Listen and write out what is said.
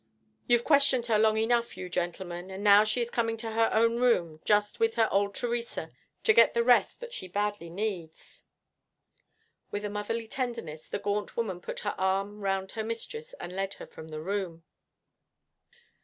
You've questioned her long enough, you gentlemen, and now she is coming to her own room, just with her old Theresa, to get the rest that she badly needs.' With a motherly tenderness the gaunt woman put her arm round her mistress and led her from the room.